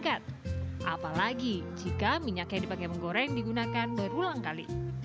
gorengan yang digunakan berulang kali